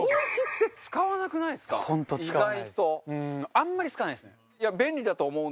あんまり使わないですね。